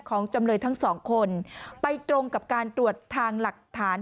จำเลยทั้งสองคนไปตรงกับการตรวจทางหลักฐาน